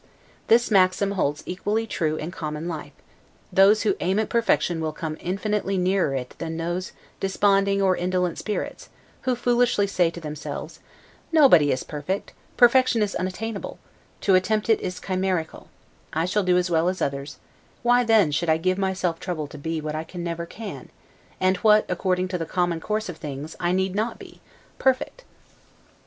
This maxim holds equally true in common life; those who aim at perfection will come infinitely nearer it than those desponding or indolent spirits, who foolishly say to themselves: Nobody is perfect; perfection is unattainable; to attempt it is chimerical; I shall do as well as others; why then should I give myself trouble to be what I never can, and what, according to the common course of things, I need not be, PERFECT?